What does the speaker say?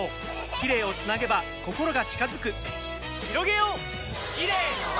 キレイをつなげば心が近づくひろげようキレイの輪！